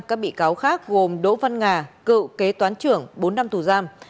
các bị cáo khác gồm đỗ văn nga cựu kế toán trưởng bốn năm tù giam